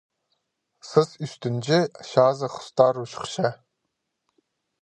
Сас ӱстӱнҷе чазы хустары учухча.